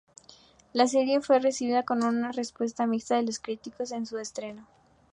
La serie fue recibida con una respuesta mixta de los críticos en su estreno.